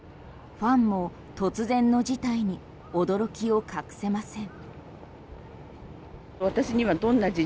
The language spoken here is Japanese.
ファンも突然の事態に驚きを隠せません。